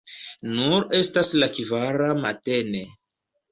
Nur estas la kvara matene.